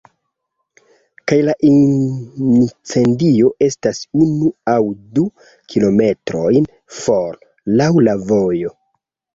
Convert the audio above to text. Kaj la incendio estas unu aŭ du kilometrojn for, laŭ la vojo.